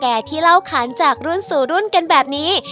ที่เล่าขานจากรุ่นสู่รุ่นกันแบบนี้